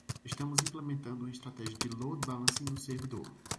Estamos implementando uma estratégia de load balancing no servidor.